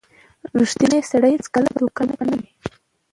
• ریښتینی سړی هیڅکله دوکه نه کوي.